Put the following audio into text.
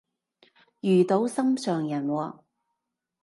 遇到心上人喎？